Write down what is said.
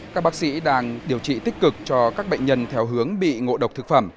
các bác sĩ đang điều trị tích cực cho các bệnh nhân theo hướng bị ngộ độc thực phẩm